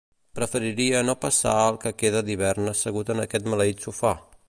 Preferiria no passar el que queda d'hivern assegut en aquest maleït sofà!